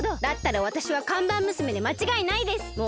だったらわたしは看板娘でまちがいないです！